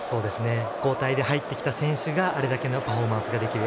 交代で入ってきた選手があれだけのパフォーマンスができる。